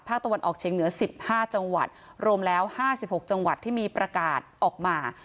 ตะวันออกเชียงเหนือ๑๕จังหวัดรวมแล้ว๕๖จังหวัดที่มีประกาศออกมา